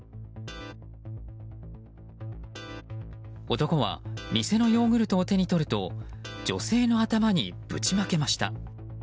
男は店のヨーグルトを手に取ると女性の頭に、ぶちまけました。